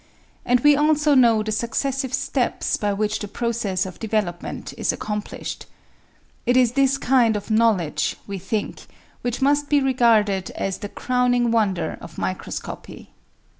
And we also know the successive steps by which the process of development is accomplished. It is this kind of knowledge, we think, which must be regarded as the crowmng wonder of microscopy.